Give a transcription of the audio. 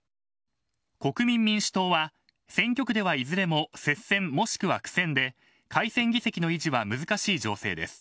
国民民主党は選挙区ではいずれも接戦もしくは苦戦で改選議席の維持は難しい情勢です。